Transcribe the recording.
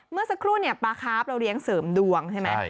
เมื่อสักครู่เนี่ยปลาคาร์ฟเราเลี้ยงเสริมดวงใช่ไหม